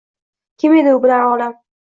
Kim edi u, bilar olam